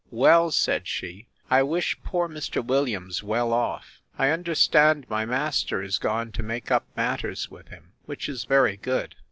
—Well, said she, I wish poor Mr. Williams well off: I understand my master is gone to make up matters with him; which is very good.